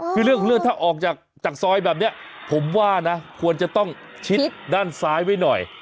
คือเรื่องของเรื่องถ้าออกจากซอยแบบนี้ผมว่านะควรจะต้องชิดด้านซ้ายไว้หน่อย